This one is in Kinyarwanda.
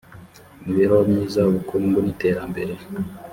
mibereho myiza ubukungu n iterambere